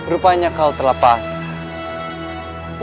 rupanya kau telah pasang